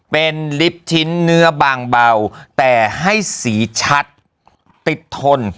เป็นลิฟต์ชิ้นเนื้อบางเบาแต่ให้สีชัดติดทน